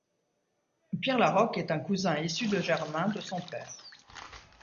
Pierre Laroque est un cousin issu de germains de son père.